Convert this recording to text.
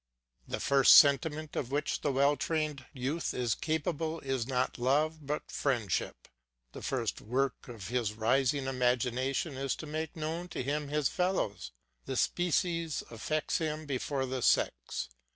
The first sentiment of which the well trained youth is capable is not love but friendship. The first work of his rising imagination is to make known to him his fellows; the species affects him before the sex.